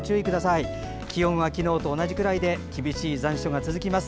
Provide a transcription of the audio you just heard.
最高気温は昨日と同じくらいで厳しい残暑が続きます。